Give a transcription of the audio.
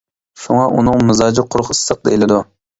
شۇڭا ئۇنىڭ مىزاجى قۇرۇق ئىسسىق دېيىلىدۇ.